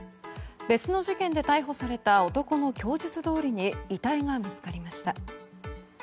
別の事件で逮捕された男の供述どおりに遺体が見つかりました。